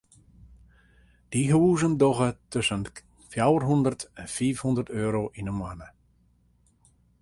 Dy huzen dogge tusken de fjouwer hondert en fiif hondert euro yn de moanne.